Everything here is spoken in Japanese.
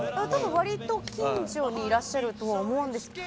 割と近所にいらっしゃるとは思うんですけど。